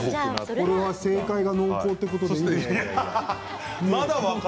これは正解が濃厚ということですか。